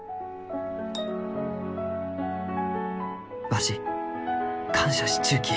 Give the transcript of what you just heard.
わし感謝しちゅうき。